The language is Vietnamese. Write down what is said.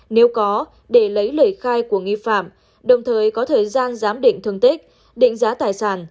nếu có để lấy lời khai của nghi phạm đồng thời có thời gian giám định thương tích định giá tài sản